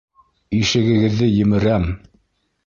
Ишегегеҙҙе емерәм!